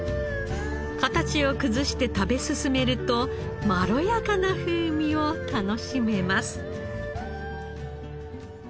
形を崩して食べ進めるとまろやかな風味を楽しめます。